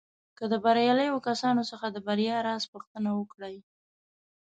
که د برياليو کسانو څخه د بريا راز پوښتنه وکړئ.